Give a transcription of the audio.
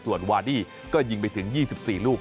ส่วนวาดี้ก็ยิงไปถึง๒๔ลูก